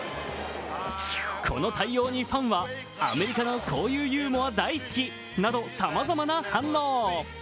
この対応にファンはアメリカのこういうユーモアなど大好きなどさまざまな反応。